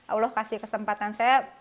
allah kasih kesempatan saya